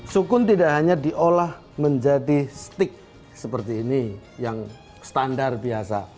sukun tidak hanya diolah menjadi stick seperti ini yang standar biasa